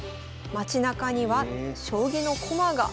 街なかには将棋の駒が。